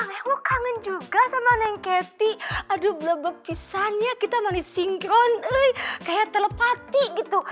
ewo kangen juga sama neng kety aduh blabok pisahnya kita mali sinkron kayak telepati gitu